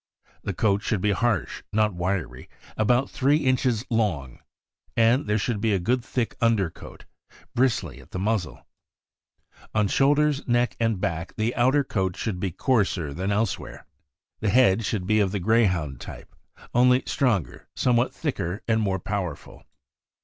The ooat should be harsh, not wiry, about three inches long; and there should be a good thick under coat, bristly at the muzzle. On shoulders, neck, and back the outer coat should be coarser than elsewhere. The head THE SCOTCH DEERHOUND. 173 should be of the Greyhound type, only stronger, somewhat thicker, and more powerful.